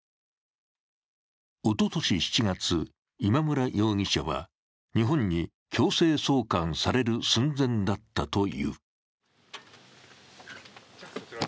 おととし７月、今村容疑者は日本に強制送還される寸前だったという。